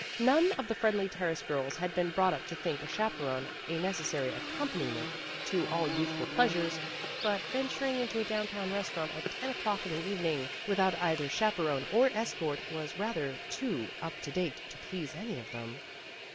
None of the Friendly Terrace girls had been brought up to think a chaperone a necessary accompaniment to all youthful pleasures, but venturing into a down town restaurant at ten o'clock in the evening, without either chaperone or escort, was rather too up to date to please any of them.